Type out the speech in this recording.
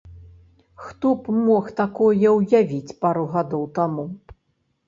Хто б мог такое ўявіць пару гадоў таму?